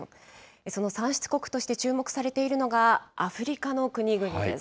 その産出国として注目されているのがアフリカの国々です。